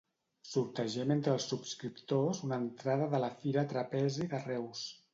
Sortegem entre els subscriptors una entrada de la Fira Trapezi de Reus.